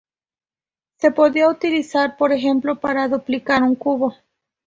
Se podía utilizar, por ejemplo, para duplicar un cubo.